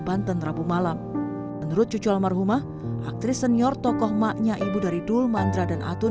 banten rabu malam menurut cucu almarhumah aktris senior tokoh maknya ibu dari dul mandra dan atun